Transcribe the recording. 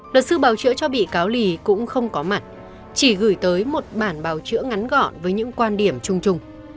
luật sư bảo chữa cho bị cáo lì cũng không có mặt chỉ gửi tới một bản bào chữa ngắn gọn với những quan điểm chung chung